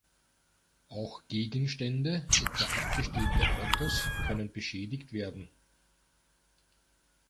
Auch Gegenstände, etwa abgestellte Autos, können beschädigt werden.